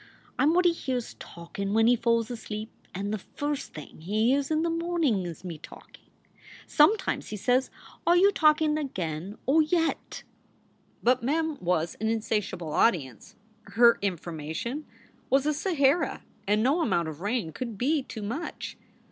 I m what he hears talkin when he falls asleep, and the first thing he hears in the mornin is me talkin . Sometimes he says, Are you talkin again or yet?" But Mem was an insatiable audience. Her information was a Sahara and no amount of rain could be too much.